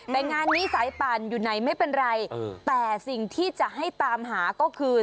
แต่งานนี้สายปั่นอยู่ไหนไม่เป็นไรแต่สิ่งที่จะให้ตามหาก็คือ